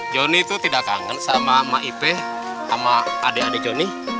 joni itu tidak kangen sama ma ipe sama adik adik joni